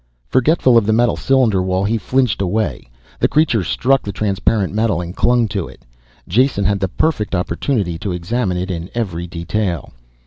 Forgetful of the metal cylinder wall, he flinched away. The creature struck the transparent metal and clung to it. Jason had the perfect opportunity to examine it in every detail.